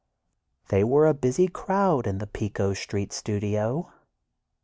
They were a busy crowd in the Pico Street studio.